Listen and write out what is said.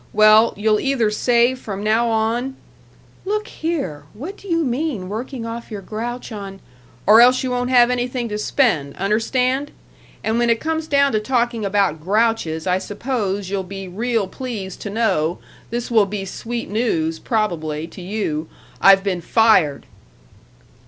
Well, you'll either save from now on " "Look here! What do you mean, working off your grouch on "" or else you won't have anything to spend, un'erstand? And when it comes down to talking about grouches I suppose you'll be real pleased to know this will be sweet news, probably, to you I've been fired!"